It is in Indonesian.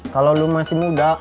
kalau lu masih muda